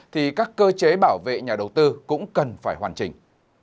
thì các cơ chế bảo vệ nhà đầu tư cũng cần phải hoàn chỉnh